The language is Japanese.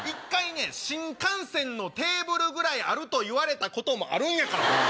新幹線のテーブルぐらいあると言われたこともあるんやから。